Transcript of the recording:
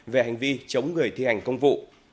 về hành vi chống người thi hành công vụ